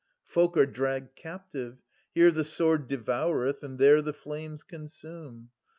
. [340 Folk are dragged captive : here the sword devoureth, And there the flames consume.